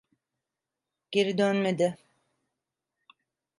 Geri dönmedi.